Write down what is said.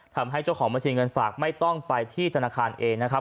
ทำให้เจ้าของบัญชีเงินฝากไม่ต้องไปที่ธนาคารเองนะครับ